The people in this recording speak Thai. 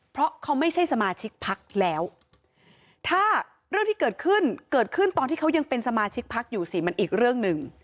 เพราะเขาไม่ใช่สมาชิกพักแล้วถ้าเรื่องที่เกิดขึ้นเกิดขึ้นตอนที่เขายังเป็นสมาชิกพักอยู่สิมันอีกเรื่องหนึ่ง